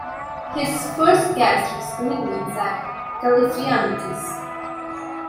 His first guest was comedian Zach Galifianakis.